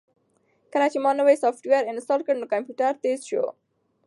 کله چې ما نوی سافټویر انسټال کړ نو کمپیوټر تېز شو.